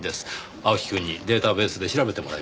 青木くんにデータベースで調べてもらいました。